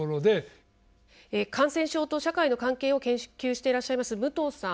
感染症と社会の関係を研究していらっしゃいます武藤さん。